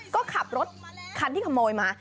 ก็ขับรถคันที่ขโมยมา